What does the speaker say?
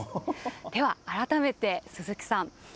では、改めて鈴木さん。